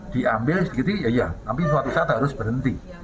diambil sedikit ya iya nanti suatu saat harus berhenti